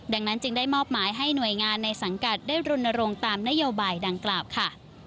ดังนั้นจึงได้มอบหมายให้หน่วยงานในสังกัดได้รณรงค์ตามนโยบายดังกล่าวค่ะ